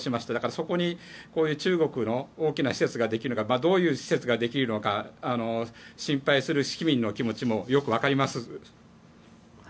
そこに中国の大きな施設ができるのかどういう施設ができるのか心配する市民の気持ちもよく分かります。